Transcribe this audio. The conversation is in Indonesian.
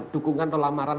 dukungan atau lamaran